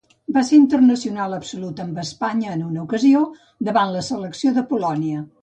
Va ser internacional absolut amb Espanya en una ocasió, davant la selecció de Polònia.